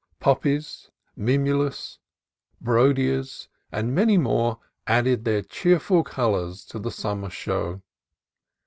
Poppies, mimulus, brodiseas, and many more added their cheerful colors to the summer show.